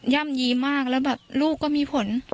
่ำยีมากแล้วแบบลูกก็มีผล